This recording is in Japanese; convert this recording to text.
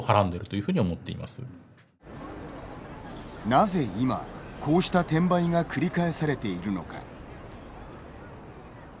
なぜ今こうした転売が繰り返されているのか。